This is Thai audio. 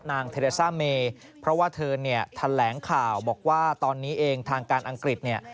เทเลซ่าเมเพราะว่าเธอเนี่ยแถลงข่าวบอกว่าตอนนี้เองทางการอังกฤษเนี่ย